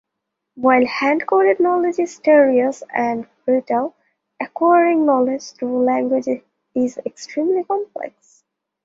While hand-coded knowledge is tedious and brittle acquiring knowledge through language is extremely complex.